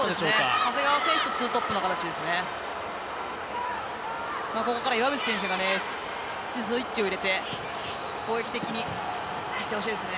長谷川選手と２トップの形ですね。